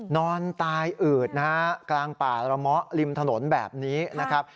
นอนตายอืดนะฮะกลางป่าระมะริมถนนแบบนี้นะครับ